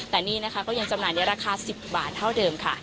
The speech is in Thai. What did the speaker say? แต่นี่ก็ยังจำหนังในราคา๑๐บาทเท่าเดิม